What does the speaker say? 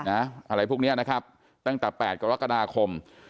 อะไรพวกนี้นะครับตั้งแต่๘กรกฎาคม